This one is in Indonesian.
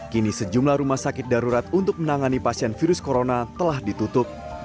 kini sejumlah rumah sakit darurat untuk menangani pasien virus corona telah ditutup